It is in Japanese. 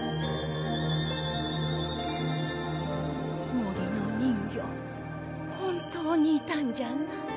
森の人魚本当にいたんじゃな